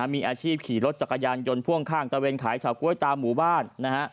มีอาชีพขี่รถจักรยานยนต์พ่วงข้างตะเวนขายเฉาก๊วยตามหมู่บ้านนะฮะ